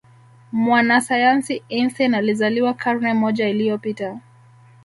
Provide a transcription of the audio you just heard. mwanasayansi einstein alizaliwa karne moja iliyopita